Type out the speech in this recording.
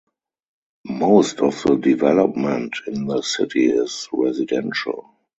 Most of the development in the city is residential.